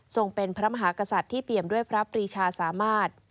เป็นพระมหากษัตริย์ที่เปี่ยมด้วยพระปรีชาสามารถ